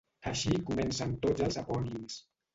Així comencen tots els epònims.